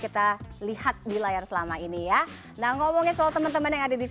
itu tergantung nanti ya